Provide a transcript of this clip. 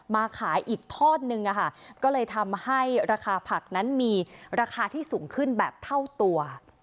มาขายอีกทอดนึงอะค่ะก็เลยทำให้ราคาผักนั้นมีราคาที่สูงขึ้นแบบเท่าตัว